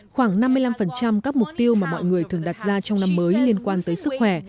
khoảng năm mươi năm các mục tiêu mà mọi người thường đặt ra trong năm mới liên quan tới sức khỏe